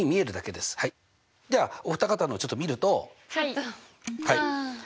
ではお二方のをちょっと見るとはい蒼澄さん。